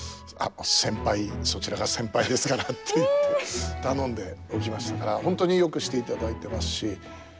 先輩そちらが先輩ですから」って言って頼んでおきましたから本当によくしていただいてますし。